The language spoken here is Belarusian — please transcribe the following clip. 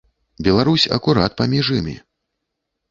Беларусь акурат паміж імі.